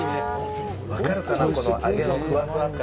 分かるかな、この揚げのふわふわ感。